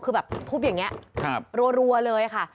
คือแบบทุบอย่างเงี้ยครับรัวเลยค่ะ